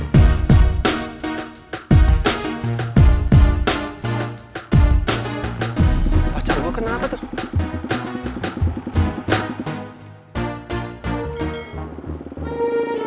pacar gue kena apa tuh